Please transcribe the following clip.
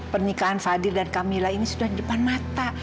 pernikahan fadil dan camilla ini sudah di depan mata